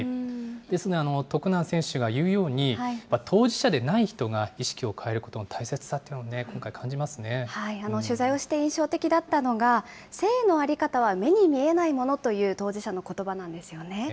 ですが、徳南選手が言うように、当事者でない人が、意識を変えることの大切さっていうのを今回、取材をして印象的だったのが、性の在り方は目に見えないものという当事者のことばなんですよね。